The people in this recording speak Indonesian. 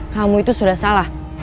kamu itu sudah salah